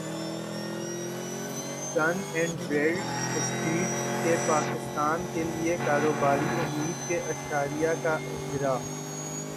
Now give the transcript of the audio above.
done and Bradstreet کے پاکستان کیلیے کاروباری امید کے اشاریہ کا اجرا